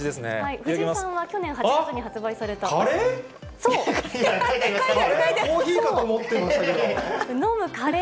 藤井さんは去年８月に発売さカレー？